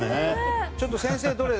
ちょっと先生どれ？